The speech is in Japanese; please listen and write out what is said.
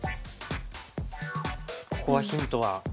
ここはヒントは。